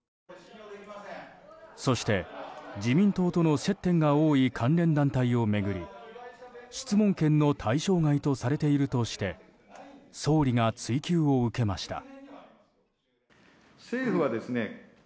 そして、自民党との接点が多い関連団体を巡り質問権の対象外とされているとして総理が追及を受けました。